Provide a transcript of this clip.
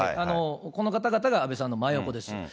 この方々が安倍さんの真横です。